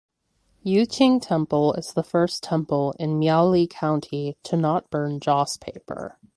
Yuqing Temple is the first temple in Miaoli County to not burn joss paper.